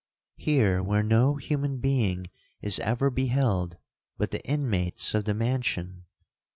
—here, where no human being is ever beheld but the inmates of the mansion?